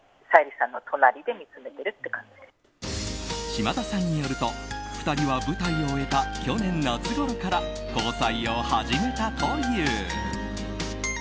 島田さんによると２人は舞台を終えた去年夏ごろから交際を始めたという。